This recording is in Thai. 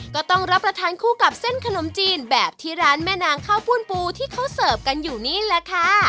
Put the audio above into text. ก็ต้องรับประทานคู่กับเส้นขนมจีนแบบที่ร้านแม่นางข้าวปูนปูที่เขาเสิร์ฟกันอยู่นี่แหละค่ะ